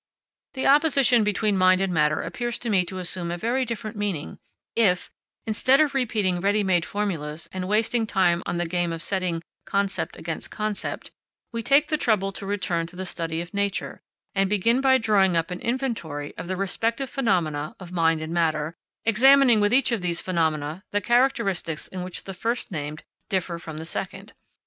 The opposition between mind and matter appears to me to assume a very different meaning if, instead of repeating ready made formulas and wasting time on the game of setting concept against concept, we take the trouble to return to the study of nature, and begin by drawing up an inventory of the respective phenomena of mind and matter, examining with each of these phenomena the characteristics in which the first named differ from the second.